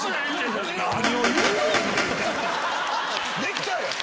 できたやん！